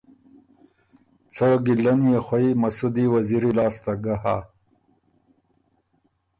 څۀ ګیله ن يې خوئ مسُودی وزیری لاسته ګه هۀ